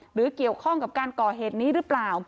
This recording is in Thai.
หรือเกี่ยวข้องกับการก่อเหตุนี้หรือเปล่า